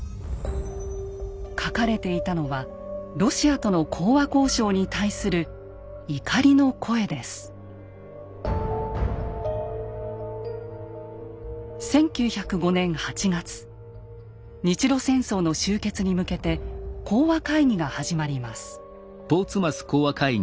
書かれていたのはロシアとの講和交渉に対する日露戦争の終結に向けて講和会議が始まります。